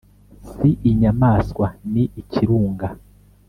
Si inyamaswa ni ikirunga